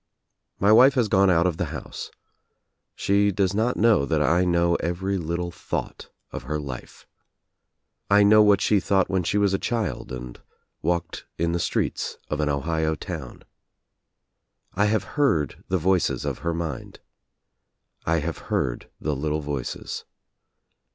My wife has gone out of the house. She does not know that I know every little thought of her life. I know what she thought when she was a child and walked in the streets of an Ohio town. I have heard the voices of her mind. I have heard the little voices.